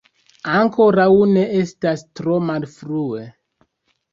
Ankoraŭ ne estas tro malfrue!